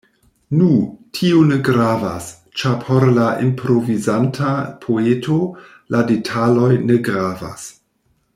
Nu, tio ne gravas, ĉar por la improvizanta poeto la detaloj ne gravas.